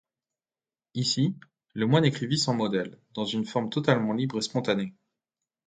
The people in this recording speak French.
Ici, le moine écrivit sans modèle, dans une forme totalement libre et spontanée.